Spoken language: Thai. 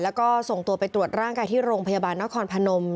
แล้วก็ส่งตัวไปตรวจร่างกายที่โรงพยาบาลนครพนม